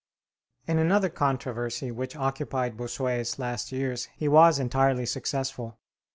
In another controversy which occupied Bossuet's last years he was entirely successful.